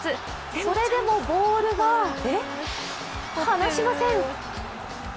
それでもボールがはなしません！